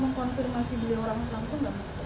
akan ada rencana mengkonfirmasi dia orang langsung gak mas